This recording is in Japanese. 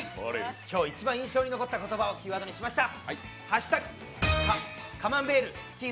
今日、一番印象に残った言葉をキーワードにしました。